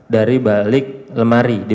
dari balik lemari